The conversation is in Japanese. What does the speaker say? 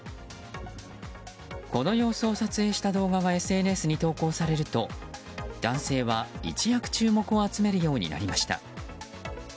この様子を撮影した動画がＳＮＳに投稿されると男性は一躍注目を集めるようになりました。